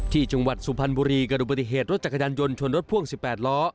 จังหวัดสุพรรณบุรีเกิดอุบัติเหตุรถจักรยานยนต์ชนรถพ่วง๑๘ล้อ